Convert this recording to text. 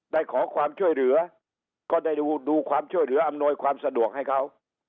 ได้ขอความช่วยเหลือก็ได้ดูความช่วยเหลืออำนวยความสะดวกให้เขา